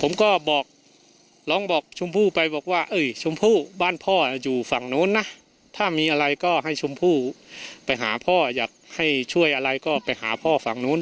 ผมก็บอกร้องบอกชมพู่ไปบอกว่าชมพู่บ้านพ่ออยู่ฝั่งนู้นนะถ้ามีอะไรก็ให้ชมพู่ไปหาพ่ออยากให้ช่วยอะไรก็ไปหาพ่อฝั่งนู้น